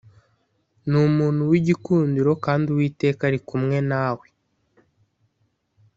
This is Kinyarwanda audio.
ni umuntu w’igikundiro kandi Uwiteka ari kumwe na we.